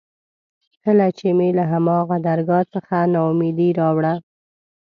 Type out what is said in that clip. کله چې مې له هماغه درګاه څخه نا اميدي راوړه.